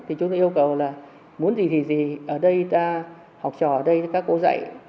thì chúng tôi yêu cầu là muốn gì thì gì gì ở đây ta học trò ở đây các cô dạy